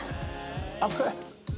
熱い！